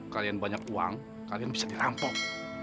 kalian banyak uang kalian bisa dirampok